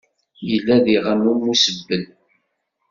Yella diɣen umusebbel.